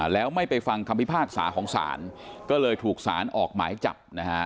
แล้วไม่ไปฟังคำพิพากษาของศาลก็เลยถูกสารออกหมายจับนะฮะ